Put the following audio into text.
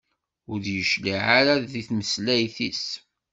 Ur d-yecliε ara deg tmeslayt-is.